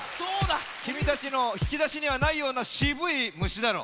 きみたちのひきだしにはないようなしぶい虫だろ。